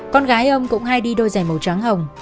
con gái ông cũng hay đi đôi giày màu trắng hồng